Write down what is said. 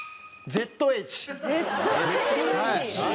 ＺＨ。